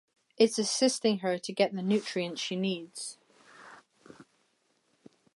It's assisting her to get the nutrients she needs.